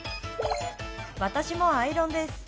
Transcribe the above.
私もアイロンです。